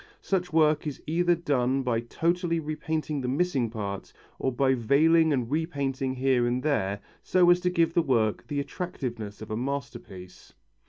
Such work is either done by totally repainting the missing parts, or by veiling and repainting here and there, so as to give the work the attractiveness of a masterpiece.